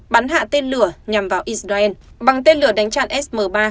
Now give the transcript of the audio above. bắn hạ tiên lửa nhằm vào israel bằng tên lửa đánh chặn sm ba